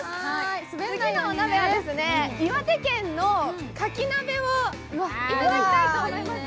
次のお鍋は岩手県の牡蠣鍋をいただきたいと思います。